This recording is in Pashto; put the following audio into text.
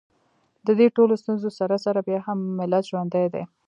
د دې ټولو ستونزو سره سره بیا هم ملت ژوندی دی